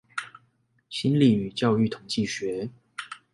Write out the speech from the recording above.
心理與教育統計學